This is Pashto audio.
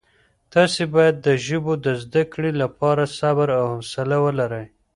تاسي باید د ژبو د زده کړې لپاره صبر او حوصله ولرئ.